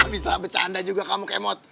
bisa becanda juga kamu kay mod